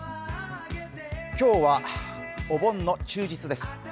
今日はお盆の休日です。